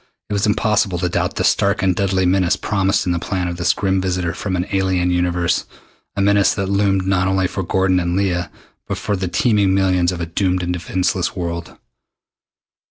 It was impossible to doubt the stark and deadly menace promised in the plan of this grim visitor from an alien universe a menace that loomed not only for Gordon and Leah but for the teeming millions of a doomed and defenseless world.